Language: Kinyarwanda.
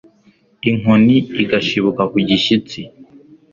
inkoni igashibuka ku gishyitsi